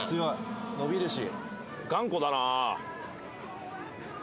伸びるし。